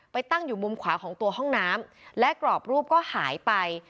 ตั้งอยู่มุมขวาของตัวห้องน้ำและกรอบรูปก็หายไป